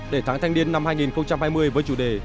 để tháng thanh niên năm hai nghìn hai mươi với chủ đề